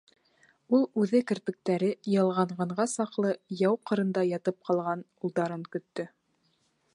Ул үҙе керпектәре ялғанғанға саҡлы яу ҡырында ятып ҡалған улдарын көттө.